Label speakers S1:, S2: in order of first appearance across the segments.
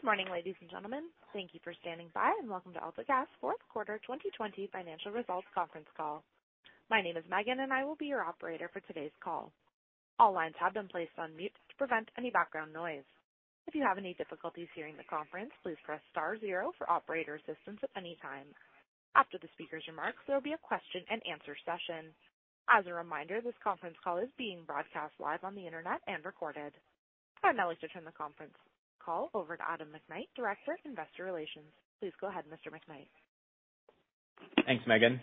S1: Good morning, ladies and gentlemen. Thank you for standing by, and welcome to AltaGas's fourth quarter 2020 financial results conference call. My name is Megan, and I will be your operator for today's call. All lines have been placed on mute to prevent any background noise. If you have any difficulties hearing the conference, please press star zero for operator assistance at any time. After the speaker's remarks, there will be a question and answer session. As a reminder, this conference call is being broadcast live on the internet and recorded. I'd now like to turn the conference call over to Adam McKnight, Director of Investor Relations. Please go ahead, Mr. McKnight.
S2: Thanks, Megan.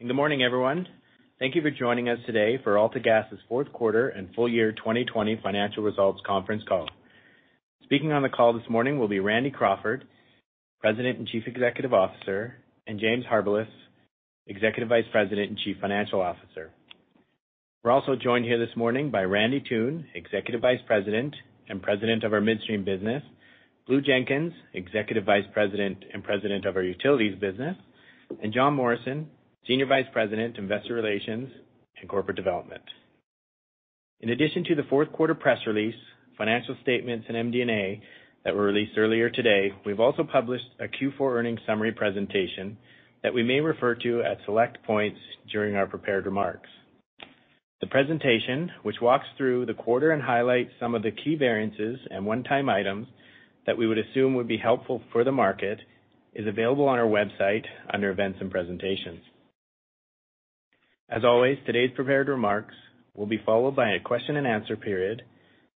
S2: Good morning, everyone. Thank you for joining us today for AltaGas's fourth quarter and full year 2020 financial results conference call. Speaking on the call this morning will be Randy Crawford, President and Chief Executive Officer, and James Harbilas, Executive Vice President and Chief Financial Officer. We're also joined here this morning by Randy Toone, Executive Vice President and President of our Midstream business, Blue Jenkins, Executive Vice President and President of our Utilities business, and Jon Morrison, Senior Vice President, Investor Relations and Corporate Development. In addition to the fourth quarter press release, financial statements, and MD&A that were released earlier today, we've also published a Q4 earnings summary presentation that we may refer to at select points during our prepared remarks. The presentation, which walks through the quarter and highlights some of the key variances and one-time items that we would assume would be helpful for the market, is available on our website under Events and Presentations. As always, today's prepared remarks will be followed by a question and answer period.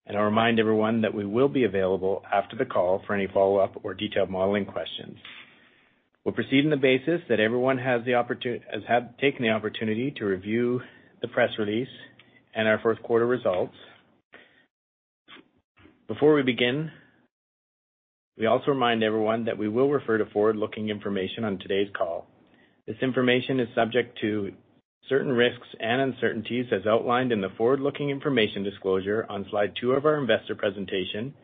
S2: I'll remind everyone that we will be available after the call for any follow-up or detailed modeling questions. We'll proceed on the basis that everyone has taken the opportunity to review the press release and our fourth quarter results. Before we begin, we also remind everyone that we will refer to forward-looking information on today's call. This information is subject to certain risks and uncertainties as outlined in the forward-looking information disclosure on slide two of our investor presentation,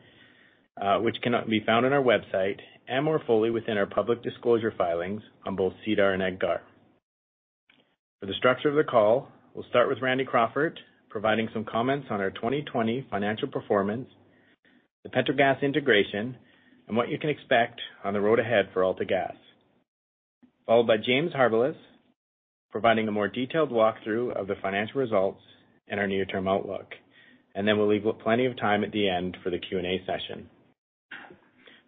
S2: which can be found on our website and more fully within our public disclosure filings on both SEDAR and EDGAR. For the structure of the call, we'll start with Randy Crawford providing some comments on our 2020 financial performance, the Petrogas integration, and what you can expect on the road ahead for AltaGas, followed by James Harbilas providing a more detailed walkthrough of the financial results and our near-term outlook. Then we'll leave plenty of time at the end for the Q&A session.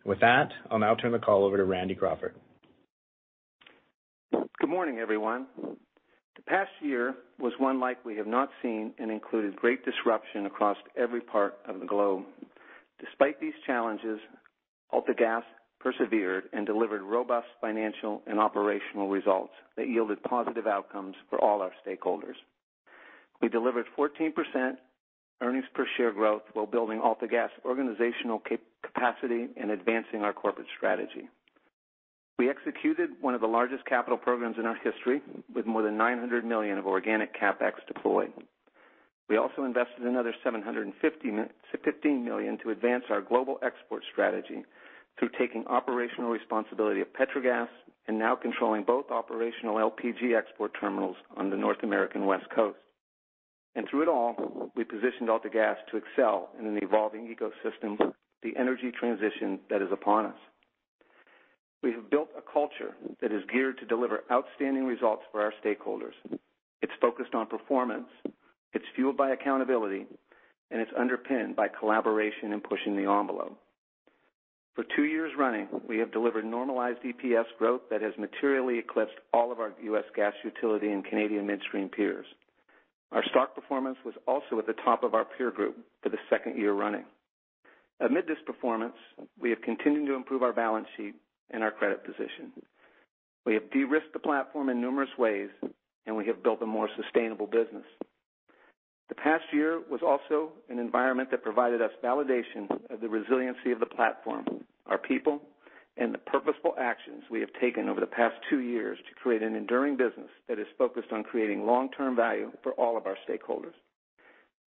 S2: With that, I'll now turn the call over to Randy Crawford.
S3: Good morning, everyone. The past year was one like we have not seen and included great disruption across every part of the globe. Despite these challenges, AltaGas persevered and delivered robust financial and operational results that yielded positive outcomes for all our stakeholders. We delivered 14% earnings per share growth while building AltaGas organizational capacity and advancing our corporate strategy. We executed one of the largest capital programs in our history with more than 900 million of organic CapEx deployed. We also invested another 715 million to advance our global export strategy through taking operational responsibility of Petrogas and now controlling both operational LPG export terminals on the North American West Coast. Through it all, we positioned AltaGas to excel in an evolving ecosystem, the energy transition that is upon us. We have built a culture that is geared to deliver outstanding results for our stakeholders. It's focused on performance. It's fueled by accountability, and it's underpinned by collaboration and pushing the envelope. For two years running, we have delivered normalized EPS growth that has materially eclipsed all of our U.S. gas Utility and Canadian Midstream peers. Our stock performance was also at the top of our peer group for the second year running. Amid this performance, we have continued to improve our balance sheet and our credit position. We have de-risked the platform in numerous ways, and we have built a more sustainable business. The past year was also an environment that provided us validation of the resiliency of the platform, our people, and the purposeful actions we have taken over the past two years to create an enduring business that is focused on creating long-term value for all of our stakeholders.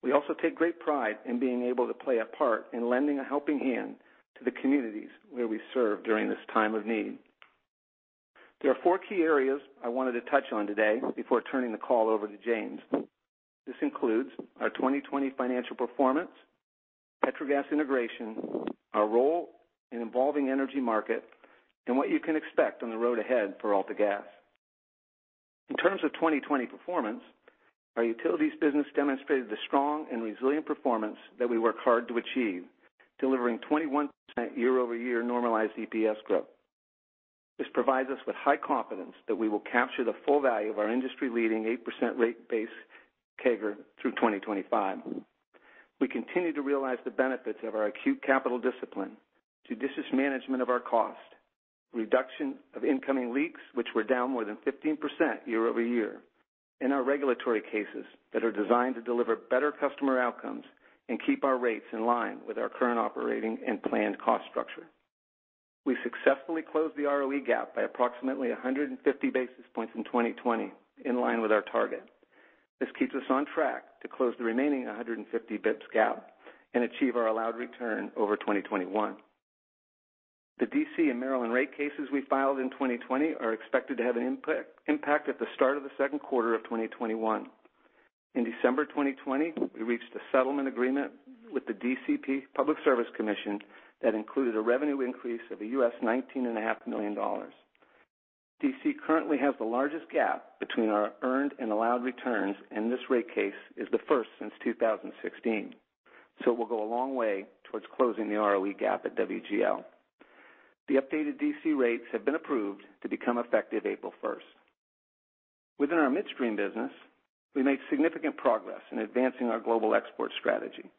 S3: We also take great pride in being able to play a part in lending a helping hand to the communities where we serve during this time of need. There are four key areas I wanted to touch on today before turning the call over to James. This includes our 2020 financial performance, Petrogas integration, our role in evolving energy market, and what you can expect on the road ahead for AltaGas. In terms of 2020 performance, our Utilities business demonstrated the strong and resilient performance that we work hard to achieve, delivering 21% year-over-year normalized EPS growth. This provides us with high confidence that we will capture the full value of our industry-leading 8% rate base CAGR through 2025. We continue to realize the benefits of our acute capital discipline, judicious management of our cost, reduction of incoming leaks, which were down more than 15% year-over-year. In our regulatory cases that are designed to deliver better customer outcomes and keep our rates in line with our current operating and planned cost structure. We successfully closed the ROE gap by approximately 150 basis points in 2020, in line with our target. This keeps us on track to close the remaining 150 basis points gap and achieve our allowed return over 2021. The D.C. and Maryland Rate Cases we filed in 2020 are expected to have an impact at the start of the second quarter of 2021. In December 2020, we reached a settlement agreement with the D.C. Public Service Commission that included a revenue increase of U.S. $19.5 million. D.C. currently has the largest gap between our earned and allowed returns, and this rate case is the first since 2016. It will go a long way towards closing the ROE gap at WGL. The updated D.C. rates have been approved to become effective April 1st. Within our Midstream business, we made significant progress in advancing our global export strategy,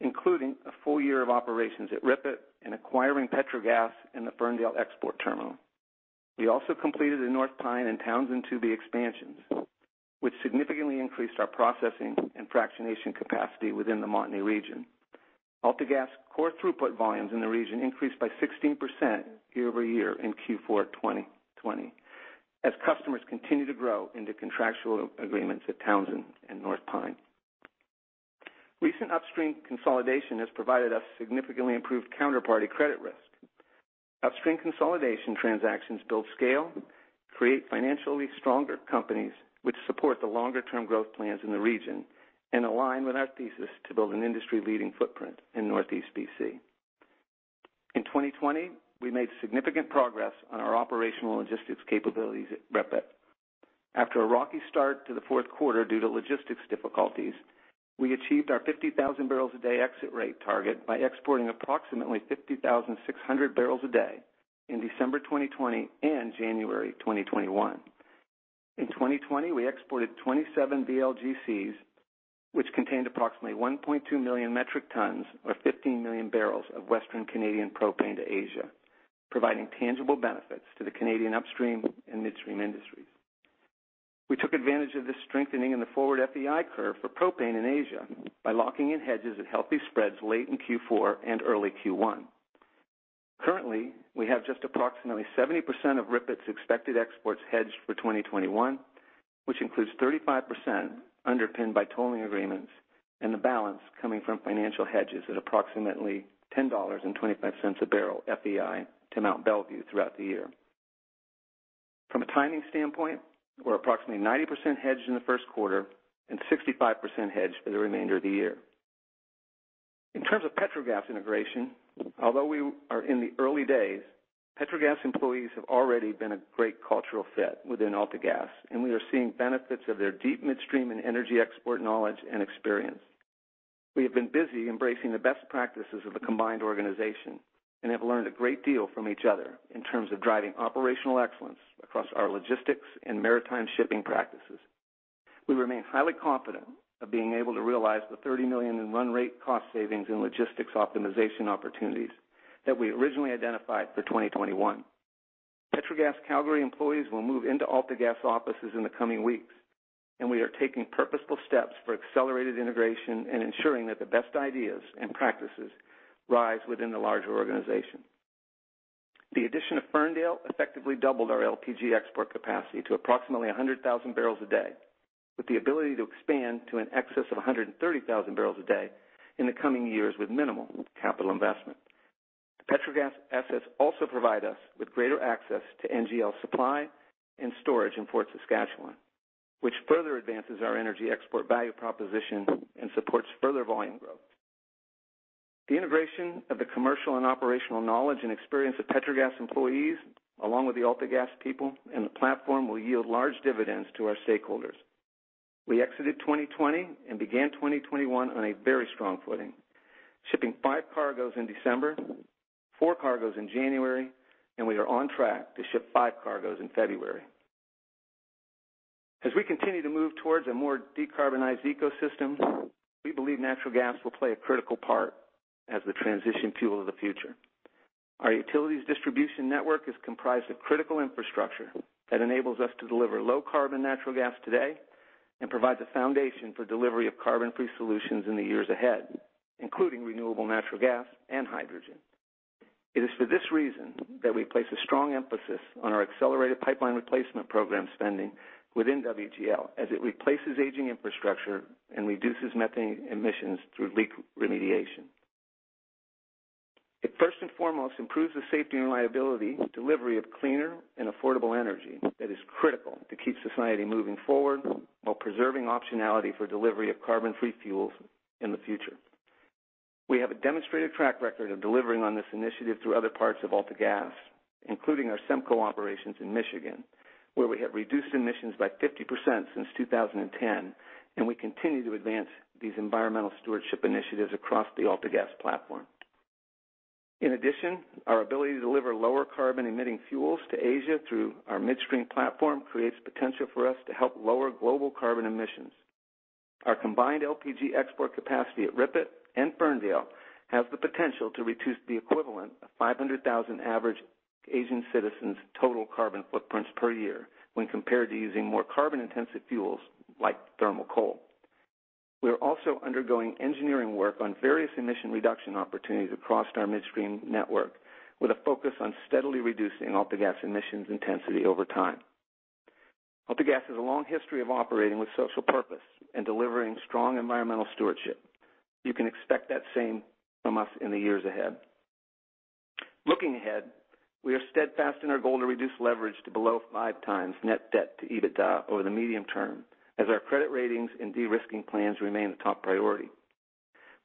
S3: including a full year of operations at RIPET and acquiring Petrogas and the Ferndale Export Terminal. We also completed the North Pine and Townsend 2B expansions, which significantly increased our processing and fractionation capacity within the Montney region. AltaGas core throughput volumes in the region increased by 16% year-over-year in Q4 2020, as customers continue to grow into contractual agreements at Townsend and North Pine. Recent upstream consolidation has provided us significantly improved counterparty credit risk. Upstream consolidation transactions build scale, create financially stronger companies, which support the longer-term growth plans in the region and align with our thesis to build an industry-leading footprint in Northeast B.C. In 2020, we made significant progress on our operational logistics capabilities at RIPET. After a rocky start to the fourth quarter due to logistics difficulties, we achieved our 50,000 bbl a day exit rate target by exporting approximately 50,600 bbl a day in December 2020 and January 2021. In 2020, we exported 27 VLGCs, which contained approximately 1.2 million metric tons or 15 million barrels of Western Canadian propane to Asia, providing tangible benefits to the Canadian upstream and Midstream industries. We took advantage of this strengthening in the forward FEI curve for propane in Asia by locking in hedges at healthy spreads late in Q4 and early Q1. Currently, we have just approximately 70% of RIPET's expected exports hedged for 2021, which includes 35% underpinned by tolling agreements and the balance coming from financial hedges at approximately $10.25 a bbl FEI to Mont Belvieu throughout the year. From a timing standpoint, we're approximately 90% hedged in the first quarter and 65% hedged for the remainder of the year. In terms of Petrogas integration, although we are in the early days, Petrogas employees have already been a great cultural fit within AltaGas, and we are seeing benefits of their deep midstream and energy export knowledge and experience. We have been busy embracing the best practices of the combined organization and have learned a great deal from each other in terms of driving operational excellence across our logistics and maritime shipping practices. We remain highly confident of being able to realize the 30 million in run rate cost savings and logistics optimization opportunities that we originally identified for 2021. Petrogas Calgary employees will move into AltaGas offices in the coming weeks, and we are taking purposeful steps for accelerated integration and ensuring that the best ideas and practices rise within the larger organization. The addition of Ferndale effectively doubled our LPG export capacity to approximately 100,000 bbl a day, with the ability to expand to in excess of 130,000 bbl a day in the coming years with minimal capital investment. The Petrogas assets also provide us with greater access to NGL supply and storage in Fort Saskatchewan, which further advances our energy export value proposition and supports further volume growth. The integration of the commercial and operational knowledge and experience of Petrogas employees, along with the AltaGas people and the platform, will yield large dividends to our stakeholders. We exited 2020 and began 2021 on a very strong footing, shipping five cargoes in December, four cargoes in January, and we are on track to ship five cargoes in February. As we continue to move towards a more decarbonized ecosystem, we believe natural gas will play a critical part as the transition fuel of the future. Our utilities distribution network is comprised of critical infrastructure that enables us to deliver low-carbon natural gas today and provide the foundation for delivery of carbon-free solutions in the years ahead, including renewable natural gas and hydrogen. It is for this reason that we place a strong emphasis on our Accelerated Pipeline Replacement Program spending within WGL as it replaces aging infrastructure and reduces methane emissions through leak remediation. It first and foremost improves the safety and reliability delivery of cleaner and affordable energy that is critical to keep society moving forward while preserving optionality for delivery of carbon-free fuels in the future. We have a demonstrated track record of delivering on this initiative through other parts of AltaGas, including our SEMCO operations in Michigan, where we have reduced emissions by 50% since 2010, and we continue to advance these environmental stewardship initiatives across the AltaGas platform. In addition, our ability to deliver lower carbon-emitting fuels to Asia through our Midstream platform creates potential for us to help lower global carbon emissions. Our combined LPG export capacity at RIPET and Ferndale has the potential to reduce the equivalent of 500,000 average Asian citizens' total carbon footprints per year when compared to using more carbon-intensive fuels like thermal coal. We are also undergoing engineering work on various emission reduction opportunities across our Midstream network with a focus on steadily reducing AltaGas emissions intensity over time. AltaGas has a long history of operating with social purpose and delivering strong environmental stewardship. You can expect that same from us in the years ahead. Looking ahead, we are steadfast in our goal to reduce leverage to below 5x net debt to EBITDA over the medium-term, as our credit ratings and de-risking plans remain the top priority.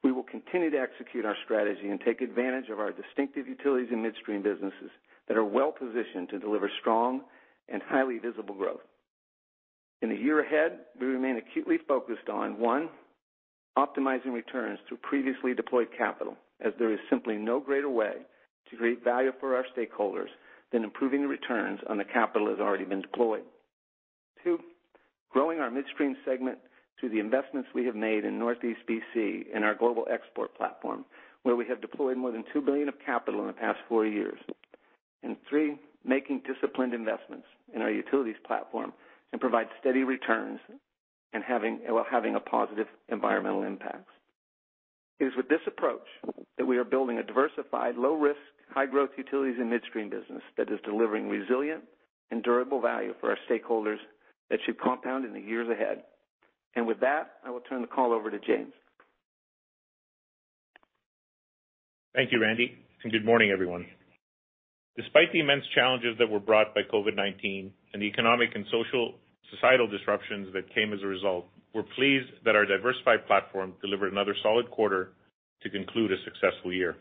S3: We will continue to execute our strategy and take advantage of our distinctive Utilities and Midstream businesses that are well-positioned to deliver strong and highly visible growth. In the year ahead, we remain acutely focused on, one, optimizing returns through previously deployed capital, as there is simply no greater way to create value for our stakeholders than improving the returns on the capital that has already been deployed. Two, growing our Midstream segment through the investments we have made in Northeast B.C. and our Global Export platform, where we have deployed more than 2 billion of capital in the past four years. Three, making disciplined investments in our Utilities platform and provide steady returns, while having a positive environmental impact. It is with this approach that we are building a diversified, low-risk, high-growth Utilities and Midstream business that is delivering resilient and durable value for our stakeholders that should compound in the years ahead. With that, I will turn the call over to James.
S4: Thank you, Randy, and good morning, everyone. Despite the immense challenges that were brought by COVID-19 and the economic and societal disruptions that came as a result, we're pleased that our diversified platform delivered another solid quarter to conclude a successful year.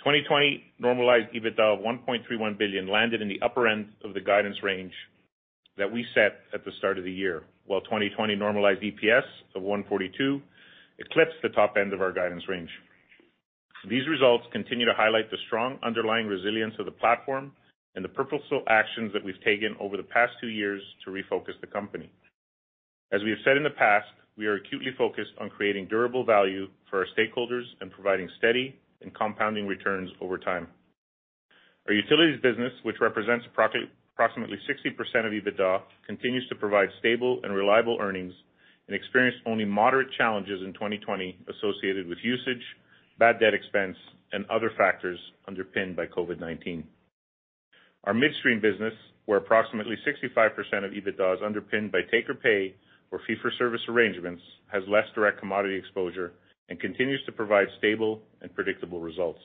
S4: 2020 normalized EBITDA of 1.31 billion landed in the upper end of the guidance range that we set at the start of the year. 2020 normalized EPS of 1.42 eclipsed the top end of our guidance range. These results continue to highlight the strong underlying resilience of the platform and the purposeful actions that we've taken over the past two years to refocus the company. As we have said in the past, we are acutely focused on creating durable value for our stakeholders and providing steady and compounding returns over time. Our Utilities business, which represents approximately 60% of EBITDA, continues to provide stable and reliable earnings and experienced only moderate challenges in 2020 associated with usage, bad debt expense, and other factors underpinned by COVID-19. Our Midstream business, where approximately 65% of EBITDA is underpinned by take-or-pay or fee-for-service arrangements, has less direct commodity exposure and continues to provide stable and predictable results.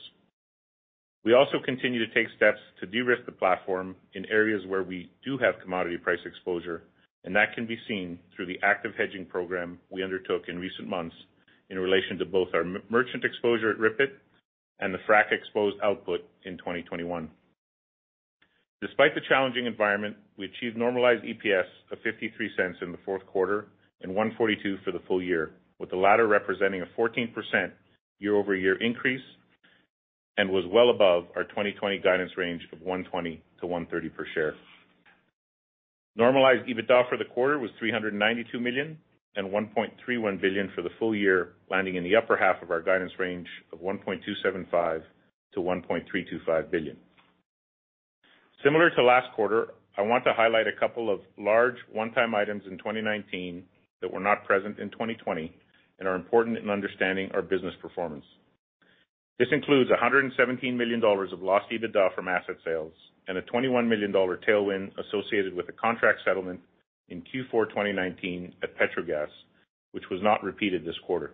S4: We also continue to take steps to de-risk the platform in areas where we do have commodity price exposure, and that can be seen through the active hedging program we undertook in recent months in relation to both our merchant exposure at RIPET and the frac-exposed output in 2021. Despite the challenging environment, we achieved normalized EPS of 0.53 in the fourth quarter and 1.42 for the full year, with the latter representing a 14% year-over-year increase and was well above our 2020 guidance range of 1.20-1.30 per share. Normalized EBITDA for the quarter was 392 million and 1.31 billion for the full year, landing in the upper half of our guidance range of 1.275 billion-1.325 billion. Similar to last quarter, I want to highlight a couple of large one-time items in 2019 that were not present in 2020 and are important in understanding our business performance. This includes 117 million dollars of lost EBITDA from asset sales and a 21 million dollar tailwind associated with a contract settlement in Q4 2019 at Petrogas, which was not repeated this quarter.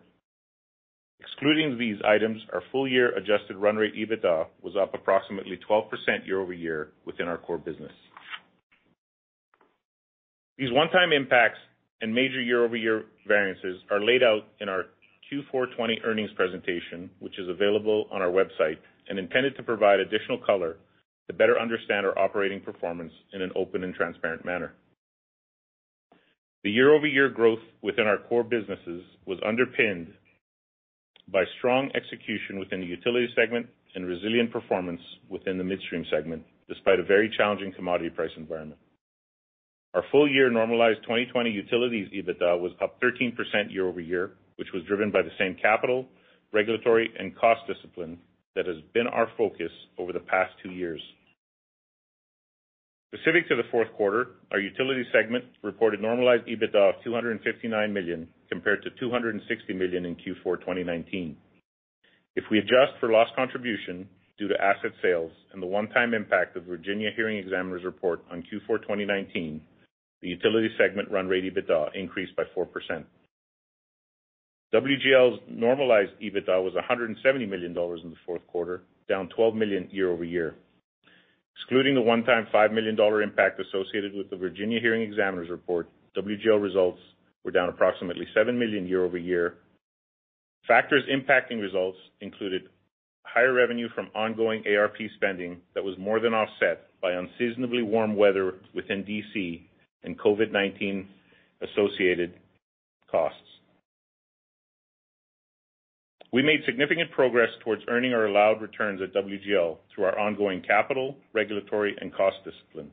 S4: Excluding these items, our full-year Adjusted run rate EBITDA was up approximately 12% year-over-year within our core business. These one-time impacts and major year-over-year variances are laid out in our Q4 2020 earnings presentation, which is available on our website and intended to provide additional color to better understand our operating performance in an open and transparent manner. The year-over-year growth within our core businesses was underpinned by strong execution within the Utility segment and resilient performance within the Midstream segment, despite a very challenging commodity price environment. Our full-year normalized 2020 Utilities EBITDA was up 13% year-over-year, which was driven by the same capital, regulatory, and cost discipline that has been our focus over the past two years. Specific to the fourth quarter, our Utility segment reported normalized EBITDA of 259 million, compared to 260 million in Q4 2019. If we adjust for lost contribution due to asset sales and the one-time impact of Virginia Hearing Examiner's report on Q4 2019, the Utility segment run rate EBITDA increased by 4%. WGL's normalized EBITDA was 170 million dollars in the fourth quarter, down 12 million year-over-year. Excluding the one-time 5 million dollar impact associated with the Virginia Hearing Examiner's report, WGL results were down approximately 7 million year-over-year. Factors impacting results included higher revenue from ongoing ARP spending that was more than offset by unseasonably warm weather within D.C. and COVID-19-associated costs. We made significant progress towards earning our allowed returns at WGL through our ongoing capital, regulatory, and cost discipline.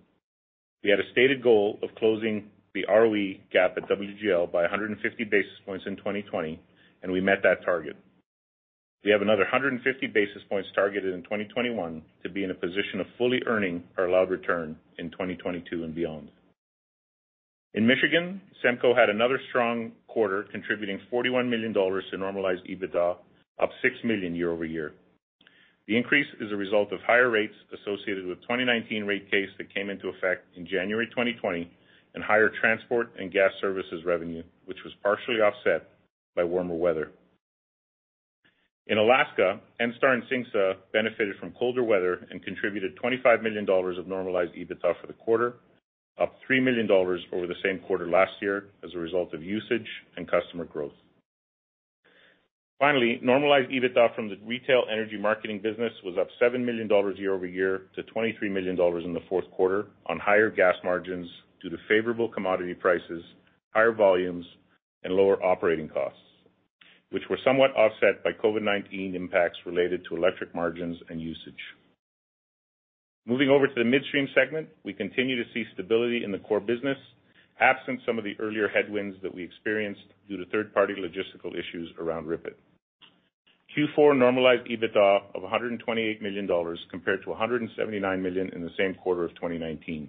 S4: We had a stated goal of closing the ROE gap at WGL by 150 basis points in 2020. We met that target. We have another 150 basis points targeted in 2021 to be in a position of fully earning our allowed return in 2022 and beyond. In Michigan, SEMCO had another strong quarter, contributing 41 million dollars to normalized EBITDA, up 6 million year-over-year. The increase is a result of higher rates associated with the 2019 rate case that came into effect in January 2020, and higher transport and gas services revenue, which was partially offset by warmer weather. In Alaska, ENSTAR and CINGSA benefited from colder weather and contributed 25 million dollars of normalized EBITDA for the quarter, up 3 million dollars over the same quarter last year as a result of usage and customer growth. Finally, normalized EBITDA from the Retail Energy Marketing business was up 7 million dollars year-over-year to 23 million dollars in the fourth quarter on higher gas margins due to favorable commodity prices, higher volumes, and lower operating costs, which were somewhat offset by COVID-19 impacts related to electric margins and usage. Moving over to the Midstream segment, we continue to see stability in the core business, absent some of the earlier headwinds that we experienced due to third-party logistical issues around RIPET. Q4 normalized EBITDA of 128 million dollars compared to 179 million in the same quarter of 2019.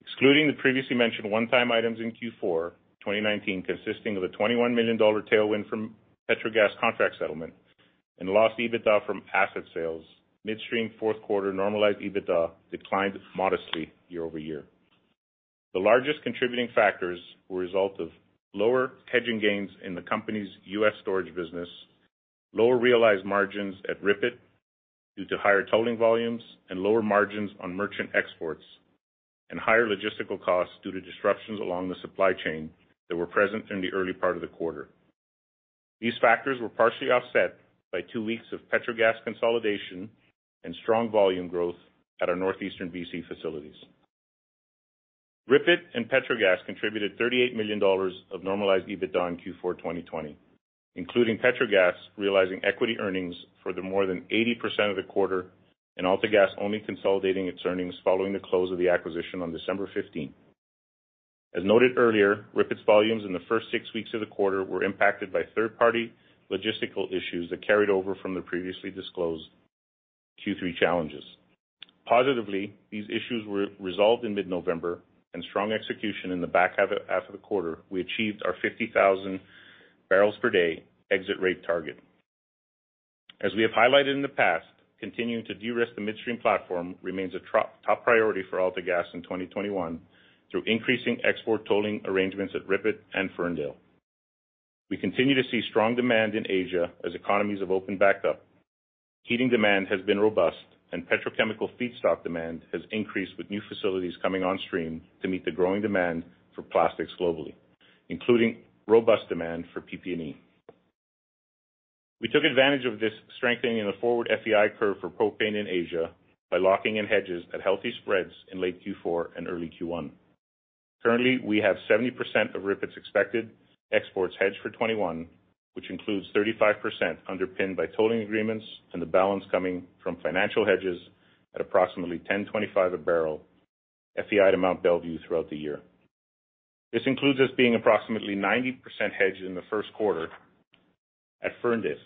S4: Excluding the previously mentioned one-time items in Q4, 2019 consisting of a 21 million dollar tailwind from Petrogas contract settlement and lost EBITDA from asset sales, Midstream fourth-quarter normalized EBITDA declined modestly year-over-year. The largest contributing factors were a result of lower hedging gains in the company's U.S. storage business, lower realized margins at RIPET due to higher tolling volumes and lower margins on merchant exports, higher logistical costs due to disruptions along the supply chain that were present in the early part of the quarter. These factors were partially offset by two weeks of Petrogas consolidation and strong volume growth at our Northeastern B.C. facilities. RIPET and Petrogas contributed 38 million dollars of normalized EBITDA in Q4 2020, including Petrogas realizing equity earnings for more than 80% of the quarter and AltaGas only consolidating its earnings following the close of the acquisition on December 15th. As noted earlier, RIPET's volumes in the first six weeks of the quarter were impacted by third-party logistical issues that carried over from the previously disclosed Q3 challenges. Positively, these issues were resolved in mid-November and strong execution in the back half of the quarter, we achieved our 50,000 bbl per day exit rate target. As we have highlighted in the past, continuing to de-risk the Midstream platform remains a top priority for AltaGas in 2021 through increasing export tolling arrangements at RIPET and Ferndale. We continue to see strong demand in Asia as economies have opened back up. Heating demand has been robust and petrochemical feedstock demand has increased with new facilities coming on stream to meet the growing demand for plastics globally, including robust demand for PP&E. We took advantage of this strengthening in the forward FEI curve for propane in Asia by locking in hedges at healthy spreads in late Q4 and early Q1. Currently, we have 70% of RIPET's expected exports hedged for 2021, which includes 35% underpinned by tolling agreements and the balance coming from financial hedges at approximately 10.25 a barrel, FEI to Mont Belvieu throughout the year. This includes us being approximately 90% hedged in the first quarter at Ferndale.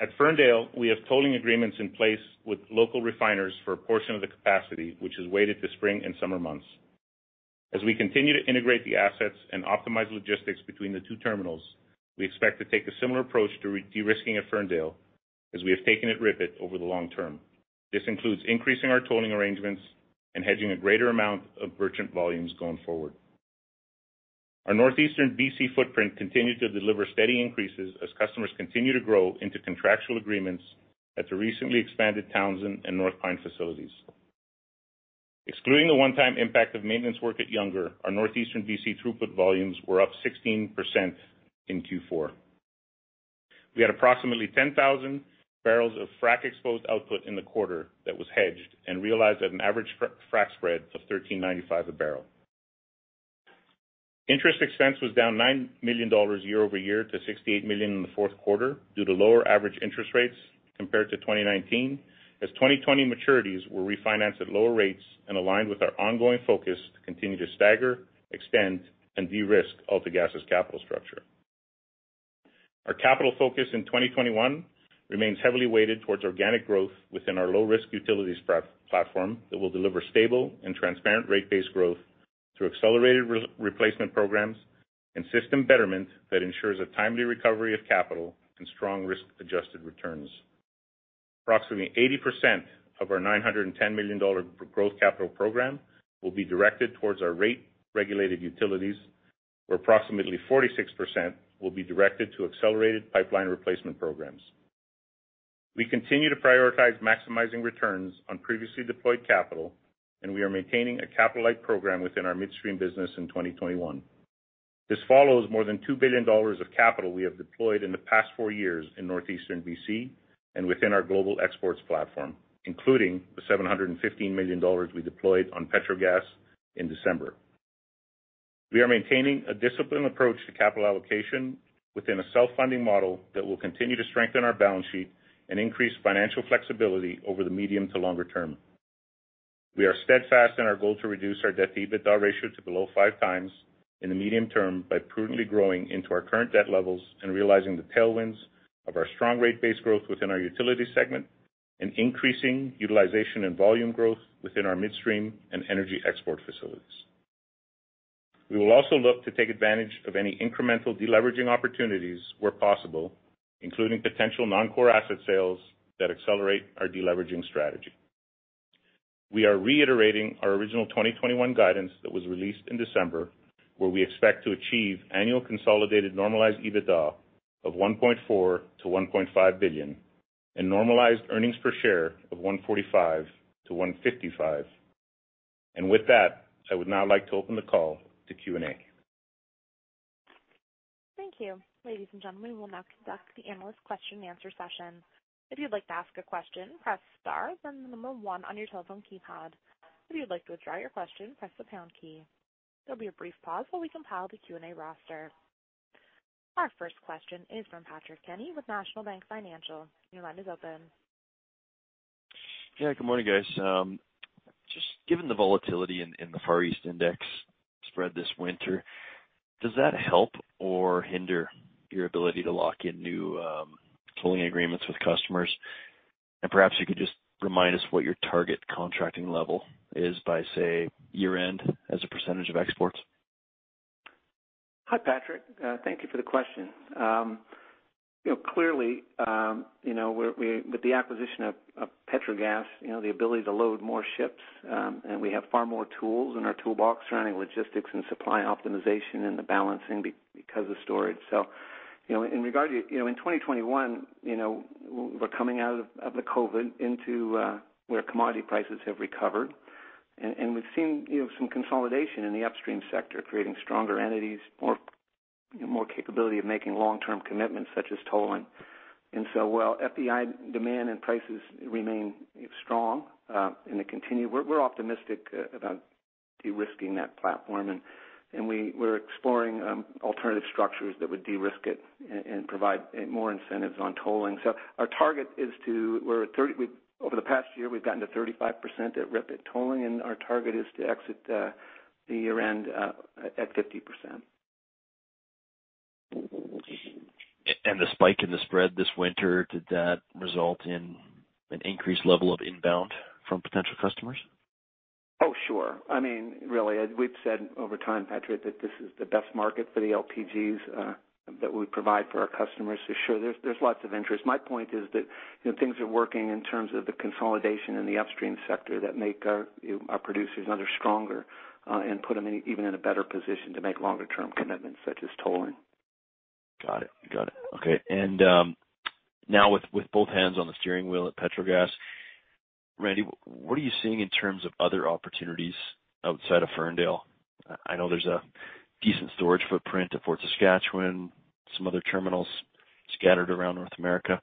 S4: At Ferndale, we have tolling agreements in place with local refiners for a portion of the capacity, which is weighted to spring and summer months. As we continue to integrate the assets and optimize logistics between the two terminals, we expect to take a similar approach to de-risking at Ferndale as we have taken at RIPET over the long-term. This includes increasing our tolling arrangements and hedging a greater amount of merchant volumes going forward. Our Northeastern B.C. footprint continued to deliver steady increases as customers continue to grow into contractual agreements at the recently expanded Townsend and North Pine facilities. Excluding the one-time impact of maintenance work at Younger, our Northeastern B.C. throughput volumes were up 16% in Q4. We had approximately 10,000 bbl of frac-exposed output in the quarter that was hedged and realized at an average frac spread of 13.95 a barrel. Interest expense was down 9 million dollars year-over-year to 68 million in the fourth quarter due to lower average interest rates compared to 2019, as 2020 maturities were refinanced at lower rates and aligned with our ongoing focus to continue to stagger, extend, and de-risk AltaGas's capital structure. Our capital focus in 2021 remains heavily weighted towards organic growth within our low-risk Utilities platform that will deliver stable and transparent rate-based growth through Accelerated Replacement Programs and system betterment that ensures a timely recovery of capital and strong risk-adjusted returns. Approximately 80% of our 910 million dollar growth capital program will be directed towards our rate-regulated utilities, where approximately 46% will be directed to Accelerated Pipeline Replacement Programs. We continue to prioritize maximizing returns on previously deployed capital, and we are maintaining a capital-light program within our Midstream business in 2021. This follows more than 2 billion dollars of capital we have deployed in the past four years in Northeastern B.C. and within our Global Exports Platform, including the 715 million dollars we deployed on Petrogas in December. We are maintaining a disciplined approach to capital allocation within a self-funding model that will continue to strengthen our balance sheet and increase financial flexibility over the medium to longer-term. We are steadfast in our goal to reduce our debt-to-EBITDA ratio to below 5x in the medium-term by prudently growing into our current debt levels and realizing the tailwinds of our strong rate base growth within our Utility segment and increasing utilization and volume growth within our Midstream and energy export facilities. We will also look to take advantage of any incremental de-leveraging opportunities where possible, including potential non-core asset sales that accelerate our de-leveraging strategy. We are reiterating our original 2021 guidance that was released in December, where we expect to achieve annual consolidated normalized EBITDA of 1.4 billion-1.5 billion and normalized earnings per share of 1.45-1.55. With that, I would now like to open the call to Q&A.
S1: Thank you. Ladies and gentlemen, we will now conduct the analyst question and answer session. If you'd like to ask a question, press star then number one on your telephone keypad. If you'd like to withdraw your question, press the pound key. There will be a brief pause while we compile the Q&A roster. Our first question is from Patrick Kenny with National Bank Financial. Your line is open.
S5: Yeah. Good morning, guys. Just given the volatility in the Far East Index spread this winter, does that help or hinder your ability to lock in new tolling agreements with customers? Perhaps you could just remind us what your target contracting level is by, say, year-end as a percentage of exports.
S3: Hi, Patrick. Thank you for the question. Clearly, with the acquisition of Petrogas, the ability to load more ships, and we have far more tools in our toolbox surrounding logistics and supply optimization and the balancing because of storage. In 2021, we're coming out of the COVID into where commodity prices have recovered, and we've seen some consolidation in the upstream sector, creating stronger entities, more capability of making long-term commitments such as tolling. While FEI demand and prices remain strong and they continue, we're optimistic about de-risking that platform, and we're exploring alternative structures that would de-risk it and provide more incentives on tolling. Over the past year, we've gotten to 35% at RIPET tolling, and our target is to exit the year-end at 50%.
S5: The spike in the spread this winter, did that result in an increased level of inbound from potential customers?
S3: Sure. Really, we've said over time, Patrick, that this is the best market for the LPGs that we provide for our customers. Sure, there's lots of interest. My point is that things are working in terms of the consolidation in the upstream sector that make our producers stronger and put them even in a better position to make longer-term commitments such as tolling.
S5: Got it. Okay. Now with both hands on the steering wheel at Petrogas, Randy, what are you seeing in terms of other opportunities outside of Ferndale? I know there's a decent storage footprint at Fort Saskatchewan, some other terminals scattered around North America.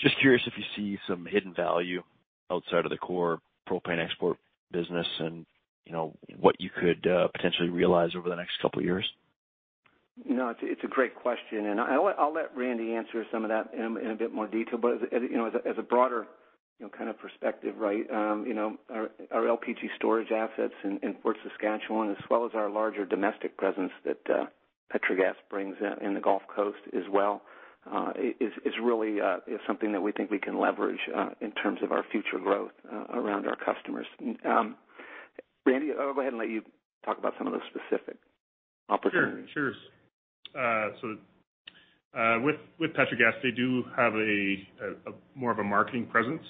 S5: Just curious if you see some hidden value outside of the core propane export business and what you could potentially realize over the next couple of years.
S3: It's a great question, and I'll let Randy answer some of that in a bit more detail. As a broader kind of perspective, our LPG storage assets in Fort Saskatchewan, as well as our larger domestic presence that Petrogas brings in the Gulf Coast as well is really something that we think we can leverage in terms of our future growth around our customers. Randy, I'll go ahead and let you talk about some of the specific opportunities.
S6: Sure. With Petrogas, they do have more of a marketing presence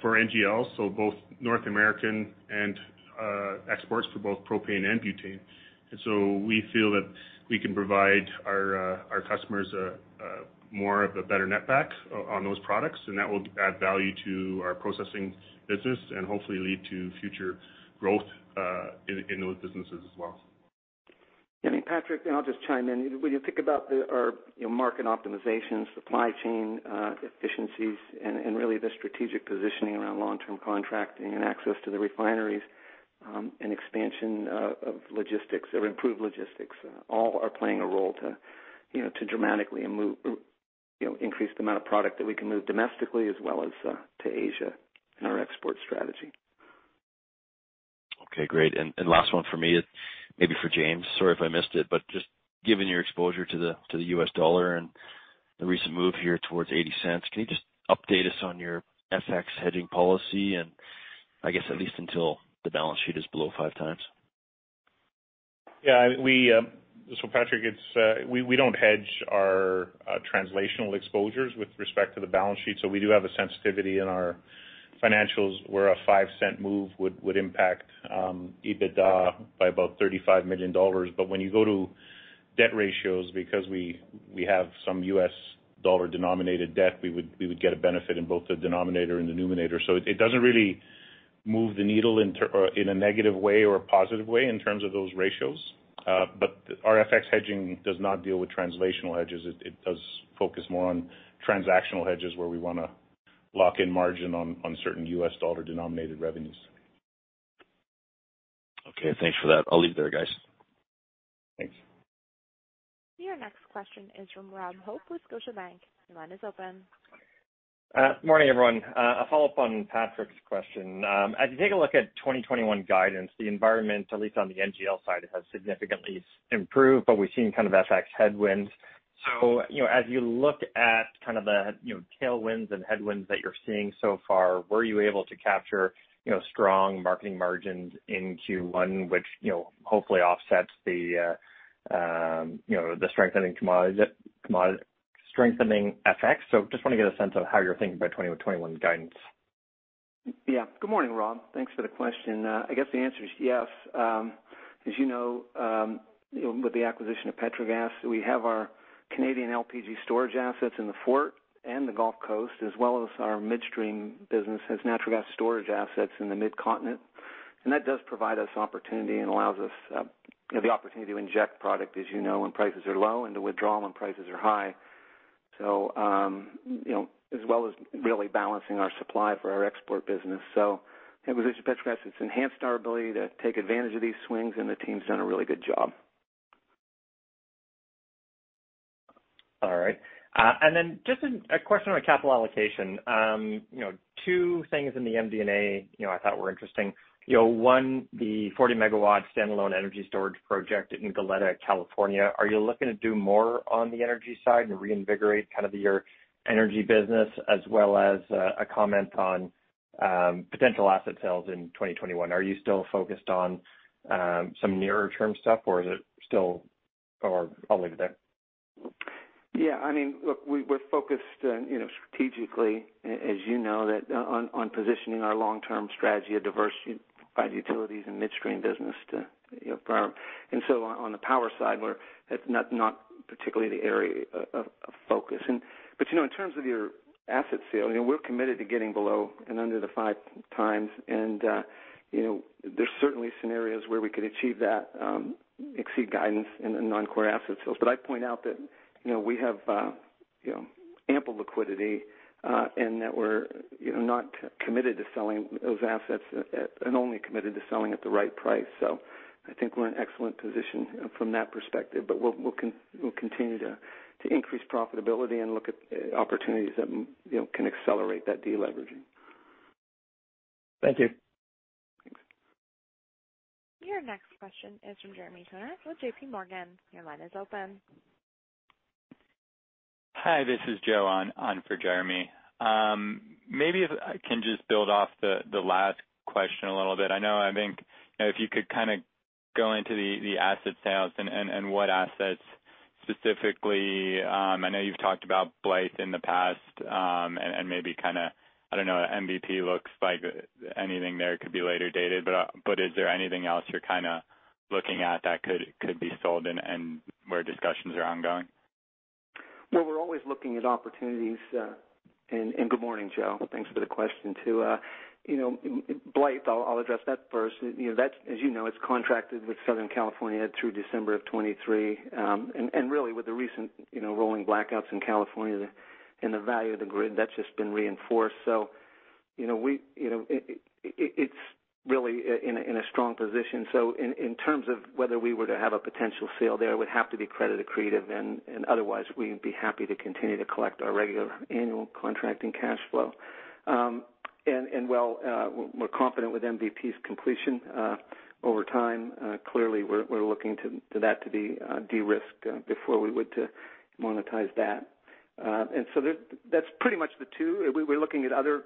S6: for NGLs, so both North American and exports for both propane and butane. We feel that we can provide our customers more of a better net back on those products, and that will add value to our processing business and hopefully lead to future growth in those businesses as well.
S3: Patrick, I'll just chime in. When you think about our market optimization, supply chain efficiencies, and really the strategic positioning around long-term contracting and access to the refineries and expansion of logistics or improved logistics, all are playing a role to dramatically increase the amount of product that we can move domestically as well as to Asia in our export strategy.
S5: Okay, great. Last one from me, maybe for James. Sorry if I missed it, just given your exposure to the U.S. dollar and the recent move here towards $0.80, can you just update us on your FX hedging policy? I guess at least until the balance sheet is below 5x.
S4: Patrick, we don't hedge our translational exposures with respect to the balance sheet. We do have a sensitivity in our financials where a 0.05 move would impact EBITDA by about 35 million dollars. When you go to debt ratios, because we have some U.S. dollar denominated debt, we would get a benefit in both the denominator and the numerator. It doesn't really move the needle in a negative way or a positive way in terms of those ratios. Our FX hedging does not deal with translational hedges. It does focus more on transactional hedges where we want to lock in margin on certain U.S. dollar denominated revenues.
S5: Okay, thanks for that. I'll leave it there, guys.
S4: Thanks.
S1: Your next question is from Rob Hope with Scotiabank. Your line is open.
S7: Morning, everyone. A follow-up on Patrick's question. As you take a look at 2021 guidance, the environment, at least on the NGL side, has significantly improved, we've seen kind of FX headwinds. As you look at the tailwinds and headwinds that you're seeing so far, were you able to capture strong marketing margins in Q1, which hopefully offsets the strengthening effects? Just want to get a sense of how you're thinking about 2020 with 2021 guidance.
S3: Yeah. Good morning, Rob. Thanks for the question. I guess the answer is yes. As you know, with the acquisition of Petrogas, we have our Canadian LPG storage assets in the Fort and the Gulf Coast, as well as our Midstream business has natural gas storage assets in the mid-continent. That does provide us opportunity and allows us the opportunity to inject product, as you know, when prices are low, and to withdraw when prices are high. As well as really balancing our supply for our export business. Yeah, with Petrogas, it's enhanced our ability to take advantage of these swings, and the team's done a really good job.
S7: All right. Just a question on capital allocation. Two things in the MD&A I thought were interesting. One, the 40 MW standalone energy storage project in Goleta, California. Are you looking to do more on the energy side and reinvigorate kind of your Energy business as well as a comment on potential asset sales in 2021? Are you still focused on some nearer-term stuff, or is it still or all the way to there?
S3: Look, we're focused strategically, as you know, on positioning our long-term strategy of diversity by the Utilities and Midstream business to grow. On the power side, that's not particularly the area of focus. In terms of your asset sale, we're committed to getting below and under the 5x. There's certainly scenarios where we could achieve that, exceed guidance in the non-core asset sales. I point out that we have ample liquidity, and that we're not committed to selling those assets and only committed to selling at the right price. I think we're in an excellent position from that perspective. We'll continue to increase profitability and look at opportunities that can accelerate that de-leveraging.
S7: Thank you.
S1: Your next question is from Jeremy Tonet with JPMorgan. Your line is open.
S8: Hi, this is Joe on for Jeremy. Maybe if I can just build off the last question a little bit. I know, I think if you could kind of go into the asset sales and what assets specifically. I know you've talked about Blythe in the past, and maybe kind of, I don't know, MVP looks like anything there could be later dated, but is there anything else you're kind of looking at that could be sold and where discussions are ongoing?
S3: Well, we're always looking at opportunities. Good morning, Joe. Thanks for the question, too. Blue, I'll address that first. As you know, it's contracted with Southern California through December of 2023. Really with the recent rolling blackouts in California and the value of the grid, that's just been reinforced. It's really in a strong position. In terms of whether we were to have a potential sale there, it would have to be credit accretive, and otherwise, we'd be happy to continue to collect our regular annual contracting cash flow. While we're confident with MVP's completion over time, clearly we're looking for that to be de-risked before we would monetize that. That's pretty much the two. We're looking at other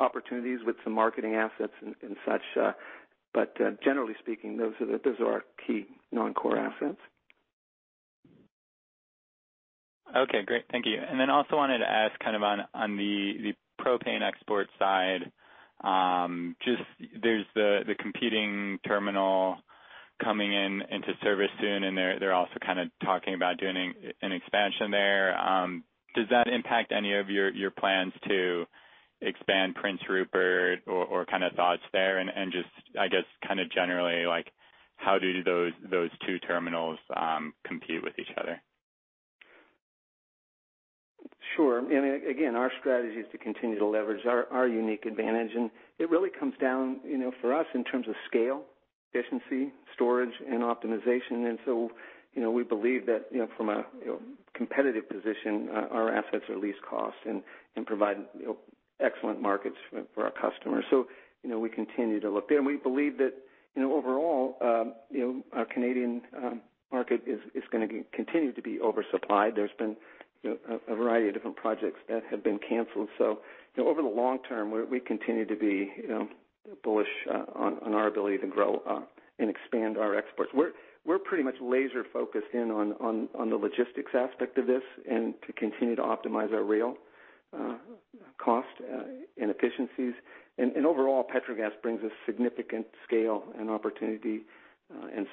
S3: opportunities with some marketing assets and such. Generally speaking, those are our key non-core assets.
S8: Okay, great. Thank you. Also wanted to ask on the propane export side. There's the competing terminal coming into service soon, and they're also kind of talking about doing an expansion there. Does that impact any of your plans to expand Prince Rupert or kind of thoughts there? Just, I guess kind of generally, how do those two terminals compete with each other?
S3: Sure. Again, our strategy is to continue to leverage our unique advantage, and it really comes down for us in terms of scale, efficiency, storage, and optimization. We believe that from a competitive position, our assets are least cost and provide excellent markets for our customers. We continue to look there. We believe that overall our Canadian market is going to continue to be oversupplied. There's been a variety of different projects that have been canceled. Over the long-term, we continue to be bullish on our ability to grow and expand our exports. We're pretty much laser-focused in on the logistics aspect of this and to continue to optimize our rail cost and efficiencies. Overall, Petrogas brings us significant scale and opportunity.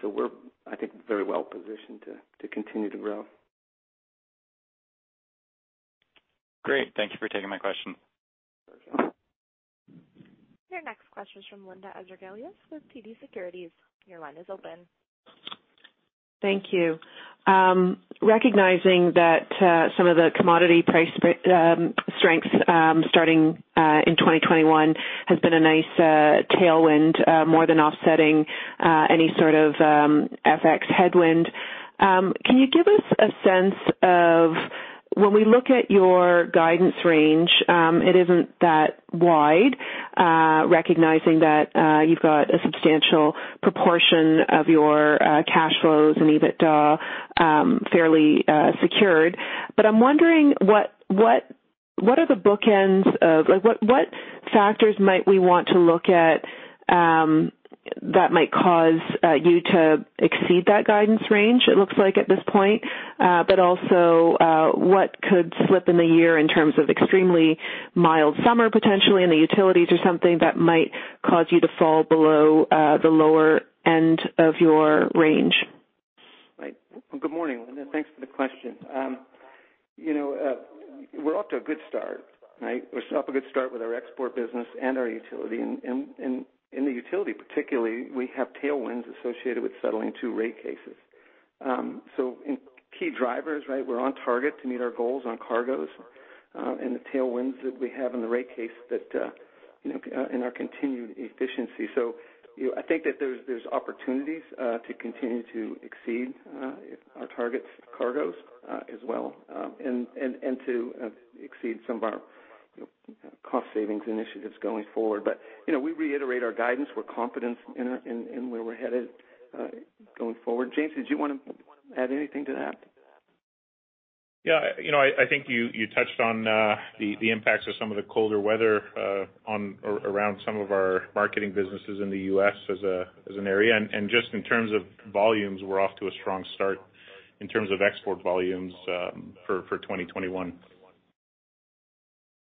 S3: We're, I think, very well-positioned to continue to grow.
S8: Great. Thank you for taking my question.
S3: Sure.
S1: Your next question is from Linda Ezergailis with TD Securities. Your line is open.
S9: Thank you. Recognizing that some of the commodity price strengths starting in 2021 has been a nice tailwind, more than offsetting any sort of FX headwind. When we look at your guidance range, it isn't that wide, recognizing that you've got a substantial proportion of your cash flows and EBITDA fairly secured. I'm wondering, what factors might we want to look at that might cause you to exceed that guidance range, it looks like at this point? Also, what could slip in the year in terms of extremely mild summer, potentially, in the utilities or something that might cause you to fall below the lower end of your range?
S3: Right. Well, good morning, Linda. Thanks for the question. We're off to a good start, right? We're off to a good start with our Export business and our Utility. In the Utility particularly, we have tailwinds associated with settling two rate cases. In key drivers, we're on target to meet our goals on cargoes and the tailwinds that we have in the rate case that, in our continued efficiency. I think that there's opportunities to continue to exceed our targets, cargoes as well, and to exceed some of our cost savings initiatives going forward. We reiterate our guidance. We're confident in where we're headed going forward. James, did you want to add anything to that?
S4: Yeah. I think you touched on the impacts of some of the colder weather around some of our marketing businesses in the U.S. as an area. Just in terms of volumes, we're off to a strong start in terms of export volumes for 2021.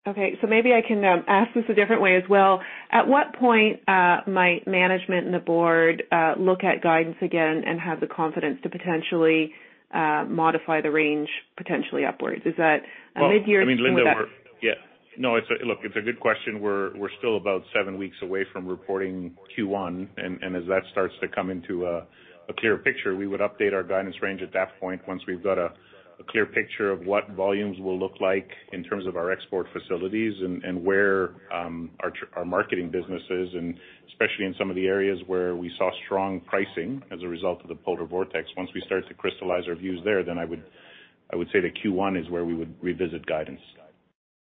S9: Okay. Maybe I can ask this a different way as well. At what point might management and the Board look at guidance again and have the confidence to potentially modify the range potentially upwards? Is that mid-year?
S4: Well, I mean, Linda, yeah. No, look, it's a good question. We're still about seven weeks away from reporting Q1, as that starts to come into a clear picture, we would update our guidance range at that point once we've got a clear picture of what volumes will look like in terms of our export facilities and where our marketing business is, especially in some of the areas where we saw strong pricing as a result of the polar vortex. Once we start to crystallize our views there, I would say that Q1 is where we would revisit guidance.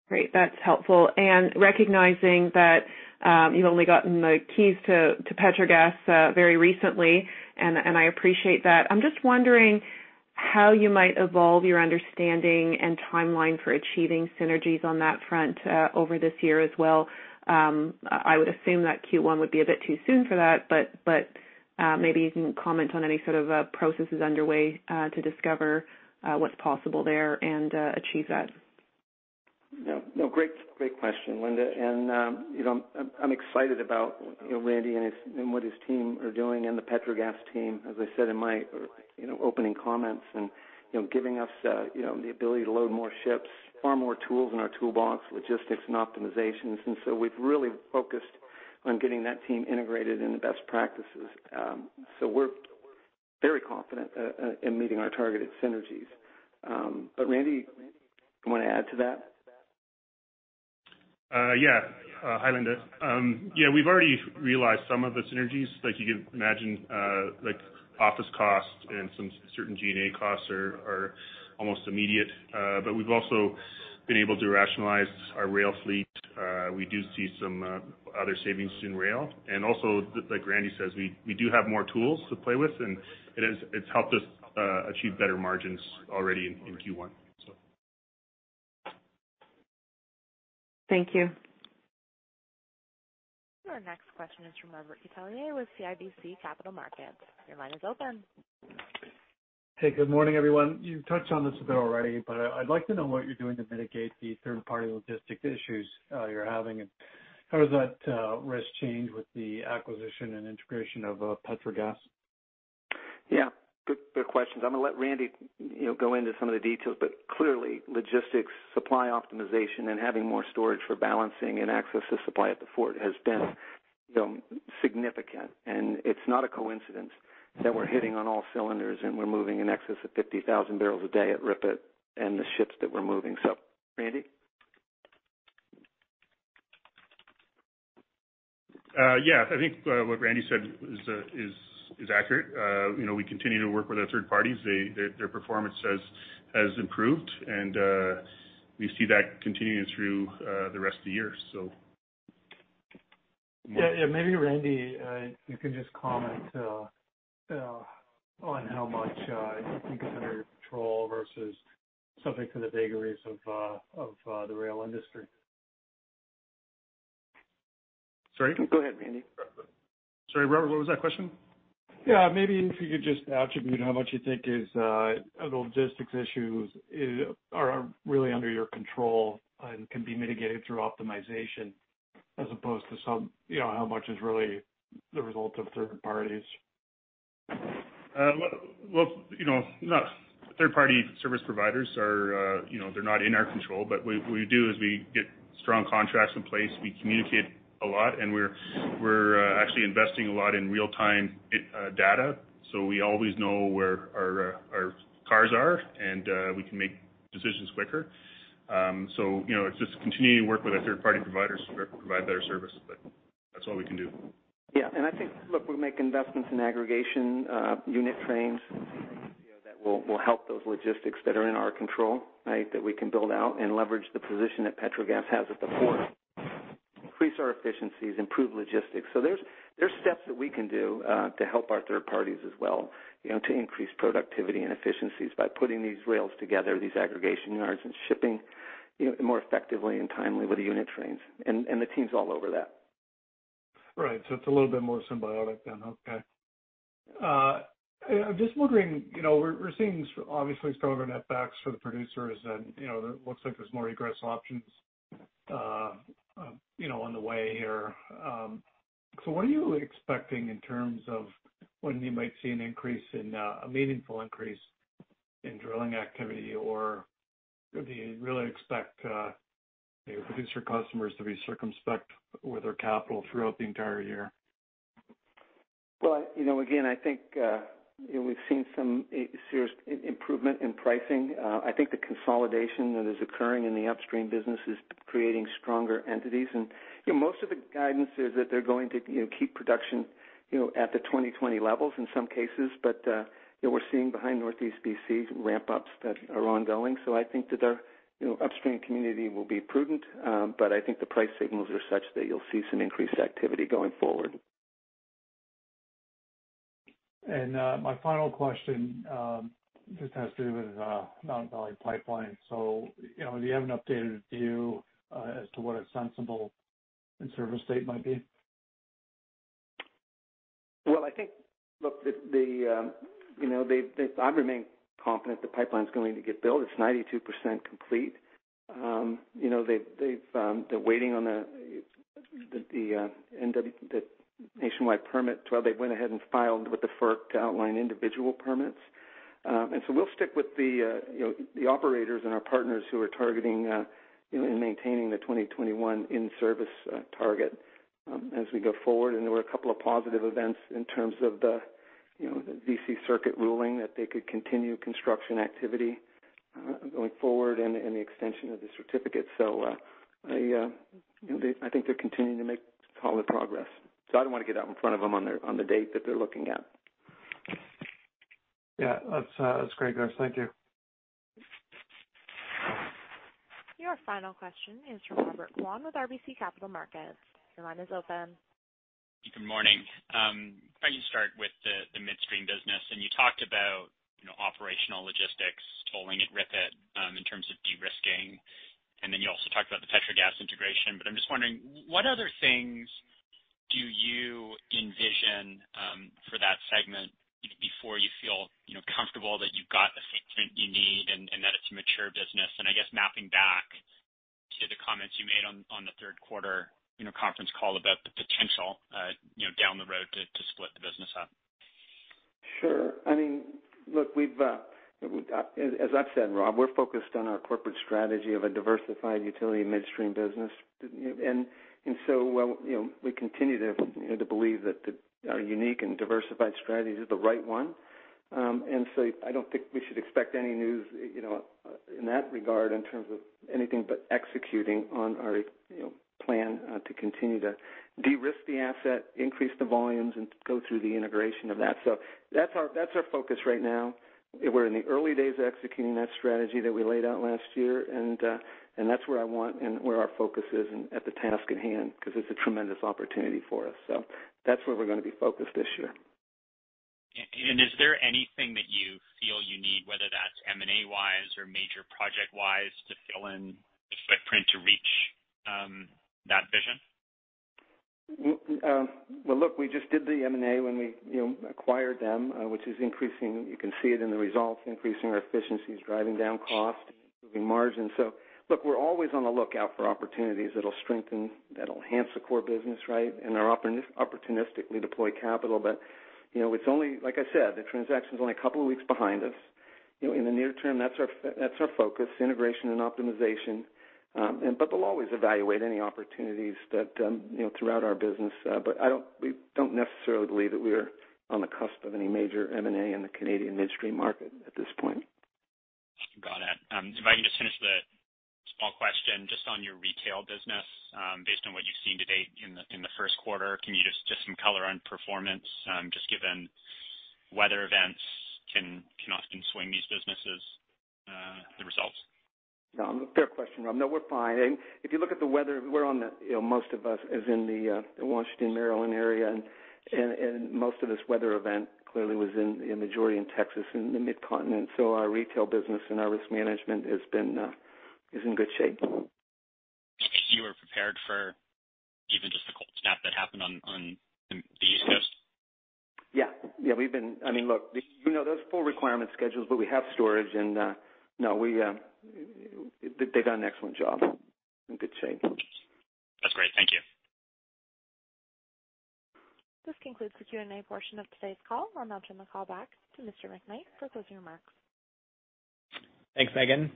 S9: Great. That's helpful. Recognizing that you've only gotten the keys to Petrogas very recently, and I appreciate that, I'm just wondering how you might evolve your understanding and timeline for achieving synergies on that front over this year as well. I would assume that Q1 would be a bit too soon for that, maybe you can comment on any sort of processes underway to discover what's possible there and achieve that.
S3: No. Great question, Linda. I'm excited about Randy and what his team are doing and the Petrogas team, as I said in my opening comments, and giving us the ability to load more ships, far more tools in our toolbox, logistics and optimizations. We've really focused on getting that team integrated in the best practices. We're very confident in meeting our targeted synergies. Randy, you want to add to that?
S6: Hi, Linda. We've already realized some of the synergies. Like you'd imagine, office costs and some certain G&A costs are almost immediate. We've also been able to rationalize our rail fleet. We do see some other savings in rail. Like Randy says, we do have more tools to play with, and it's helped us achieve better margins already in Q1.
S9: Thank you.
S1: Our next question is from Robert Catellier with CIBC Capital Markets. Your line is open.
S10: Hey, good morning, everyone. You've touched on this a bit already, but I'd like to know what you're doing to mitigate the third-party logistic issues you're having, and how does that risk change with the acquisition and integration of Petrogas?
S3: Yeah. Good questions. I'm gonna let Randy go into some of the details. Clearly, logistics, supply optimization, and having more storage for balancing and access to supply at the port has been significant. It's not a coincidence that we're hitting on all cylinders and we're moving in excess of 50,000 bbl a day at RIPET and the ships that we're moving. Randy?
S6: Yeah. I think what Randy said is accurate. We continue to work with our third parties. Their performance has improved, and we see that continuing through the rest of the year.
S10: Yeah. Maybe Randy, you can just comment on how much you think is under your control versus something from the vagaries of the rail industry.
S6: Sorry?
S3: Go ahead, Randy.
S6: Sorry, Robert, what was that question?
S10: Yeah, maybe if you could just attribute how much you think is the logistics issues are really under your control and can be mitigated through optimization as opposed to how much is really the result of third parties?
S6: Well, third-party service providers are not in our control. What we do is we get strong contracts in place. We communicate a lot, and we're actually investing a lot in real-time data, so we always know where our cars are, and we can make decisions quicker. It's just continuing to work with our third-party providers to provide better service, but that's all we can do.
S3: Yeah. I think, look, we make investments in aggregation unit trains that will help those logistics that are in our control. That we can build out and leverage the position that Petrogas has at the port, increase our efficiencies, improve logistics. There's steps that we can do to help our third parties as well, to increase productivity and efficiencies by putting these rails together, these aggregation yards, and shipping more effectively and timely with the unit trains. The team's all over that.
S10: Right. It's a little bit more symbiotic then. Okay. I'm just wondering, we're seeing, obviously, stronger netbacks for the producers and it looks like there's more aggressive options on the way here. What are you expecting in terms of when you might see a meaningful increase in drilling activity? Or do you really expect your producer customers to be circumspect with their capital throughout the entire year?
S3: Well, again, I think we've seen some serious improvement in pricing. I think the consolidation that is occurring in the Upstream business is creating stronger entities. Most of the guidance is that they're going to keep production at the 2020 levels in some cases. We're seeing behind Northeast B.C. ramp-ups that are ongoing. I think that our upstream community will be prudent, but I think the price signals are such that you'll see some increased activity going forward.
S10: My final question just has to do with Mountain Valley Pipeline. Do you have an updated view as to what a sensible in-service date might be?
S3: I think, look, I remain confident the pipeline's going to get built. It's 92% complete. They're waiting on the nationwide permit. They went ahead and filed with the FERC to outline individual permits. We'll stick with the operators and our partners who are targeting and maintaining the 2021 in-service target as we go forward, and there were a couple of positive events in terms of the D.C. Circuit ruling that they could continue construction activity going forward and the extension of the certificate. I think they're continuing to make solid progress, so I don't want to get out in front of them on the date that they're looking at.
S10: Yeah. That's great, guys. Thank you.
S1: Your final question is from Robert Kwan with RBC Capital Markets. Your line is open.
S11: Good morning. If I could start with the Midstream business, you talked about operational logistics, tolling at RIPET in terms of de-risking, then you also talked about the Petrogas integration. I'm just wondering, what other things do you envision for that segment before you feel comfortable that you've got the footprint you need and that it's a mature business? I guess mapping back to the comments you made on the third quarter conference call about the potential down the road to split the business up.
S3: Sure. As I've said, Rob, we're focused on our corporate strategy of a diversified Utility and Midstream business. We continue to believe that our unique and diversified strategies are the right one. I don't think we should expect any news in that regard in terms of anything but executing on our plan to continue to de-risk the asset, increase the volumes, and go through the integration of that. That's our focus right now. We're in the early days of executing that strategy that we laid out last year, and that's where I want and where our focus is and at the task at hand, because it's a tremendous opportunity for us. That's where we're going to be focused this year.
S11: Is there anything that you feel you need, whether that's M&A-wise or major project-wise, to fill in the footprint to reach that vision?
S3: Look, we just did the M&A when we acquired them, which is increasing. You can see it in the results, increasing our efficiencies, driving down cost, improving margin. Look, we're always on the lookout for opportunities that'll strengthen, that'll enhance the core business, and opportunistically deploy capital. Like I said, the transaction's only a couple of weeks behind us. In the near-term, that's our focus, integration and optimization. We'll always evaluate any opportunities throughout our business. We don't necessarily believe that we're on the cusp of any major M&A in the Canadian Midstream market at this point.
S11: Got it. If I can just finish with a small question, just on your Retail business. Based on what you've seen to date in the first quarter, can you just some color on performance, just given weather events can often swing these businesses, the results?
S3: Fair question, Rob. We're fine. If you look at the weather, most of us is in the Washington, Maryland area, and most of this weather event clearly was in majority in Texas, in the mid-continent. Our Retail business and our risk management is in good shape.
S11: You were prepared for even just the cold snap that happened on the East Coast?
S3: There's full requirement schedules, but we have storage, and they've done an excellent job. In good shape.
S11: That's great. Thank you.
S1: This concludes the Q&A portion of today's call. I'll now turn the call back to Mr. McKnight for closing remarks.
S2: Thanks, Megan.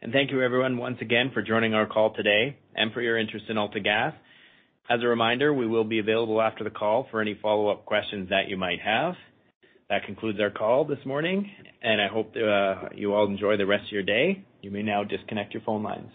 S2: Thank you everyone once again for joining our call today and for your interest in AltaGas. As a reminder, we will be available after the call for any follow-up questions that you might have. That concludes our call this morning, and I hope you all enjoy the rest of your day. You may now disconnect your phone lines.